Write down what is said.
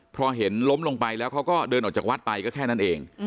พอเห็นล้มลงไปแล้วเขาก็เดินออกจากวัดไปก็แค่นั้นเอง